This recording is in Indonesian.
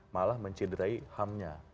malah mencenderai ham nya